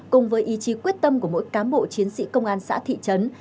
cùng với ý chí quyết tâm của mỗi cám bộ chiến sĩ công an xã thị trấn